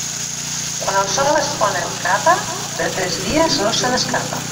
Quan el sol es pon amb capa, de tres dies no se n'escapa.